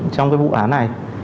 trong cái vụ án này